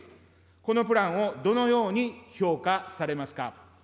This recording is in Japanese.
このプランをどのように評価されますか。